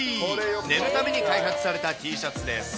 寝るために開発されたＴシャツです。